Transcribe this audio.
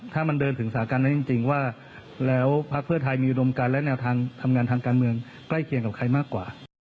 ถ้ามันเดินถึงสาการนั้นจริงว่าแล้วพักเพื่อไทยมีอุดมการและแนวทางทำงานทางการเมืองใกล้เคียงกับใครมากกว่า